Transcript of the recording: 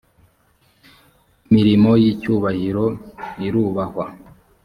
imirimo y ‘icyubahiro irubahwa.